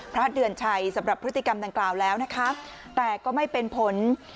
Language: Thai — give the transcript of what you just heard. พระเดือนชัยสำหรับพฤติกรรมดังกล่าวแล้วนะคะแต่ก็ไม่เป็นผล